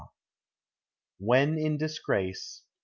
J WHEN IN DISGRACE.